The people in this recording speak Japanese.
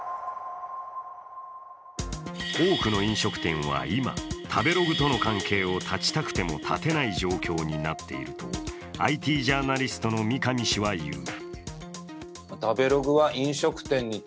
多くの飲食店は今、食べログとの関係を断ちたくても断てない状況になっているとＩＴジャーナリストの三上氏は言う。